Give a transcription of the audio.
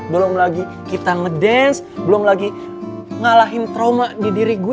belum lagi kita ngedance belum lagi ngalahin trauma di diri gue